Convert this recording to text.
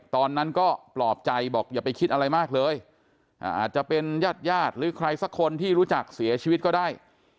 ตอนนั้นก็ปลอบใจบอกอย่าไปคิดอะไรมากเลยอาจจะเป็นญาติญาติหรือใครสักคนที่รู้จักเสียชีวิตก็ได้